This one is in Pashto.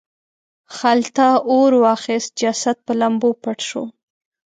خلته اور واخیست جسد په لمبو پټ شو.